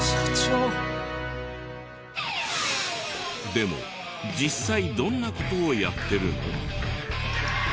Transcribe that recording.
でも実際どんな事をやってるの？